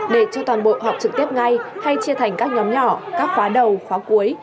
để cho toàn bộ họp trực tiếp ngay hay chia thành các nhóm nhỏ các khóa đầu khóa cuối